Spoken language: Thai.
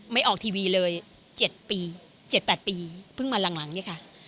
ไม่ออกทีวีเลย๗๘ปีเพิ่งมาหลังนี่ค่ะ